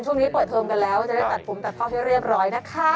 คุณผู้ชมช่วงนี้เปิดเทอมกันแล้ว